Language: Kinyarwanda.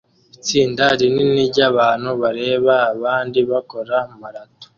Itsinda rinini ryabantu bareba abandi bakora marato